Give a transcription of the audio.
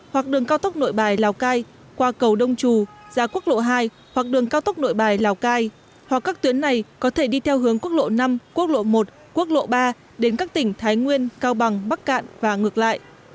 hoặc đường cao tốc nội bài lào cai qua cầu đông trù ra quốc lộ hai hoặc đường cao tốc nội bài lào cai hoặc các tuyến này có thể đi theo hướng quốc lộ năm quốc lộ một quốc lộ ba đến các tỉnh thái nguyên cao bằng bắc cạn và ngược lại